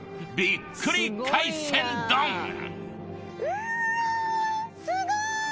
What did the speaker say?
うわすごい！